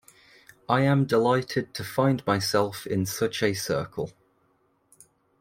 I am delighted to find myself in such a circle.